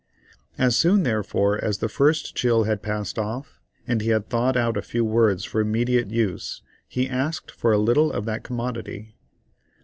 As soon therefore as the first chill had passed off, and he had thawed out a few words for immediate use he asked for a little of that commodity.